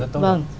chi tiêu rất tốt